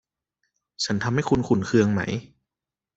ฉันทำให้คุณขุ่นเคืองไหม